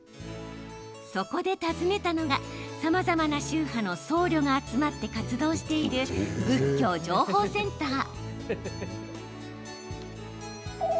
そこで訪ねたのがさまざまな宗派の僧侶が集まって活動をしている仏教情報センター。